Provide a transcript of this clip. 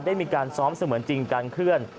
ได้มีการซ้อมเสมือนจริงการเคลื่อน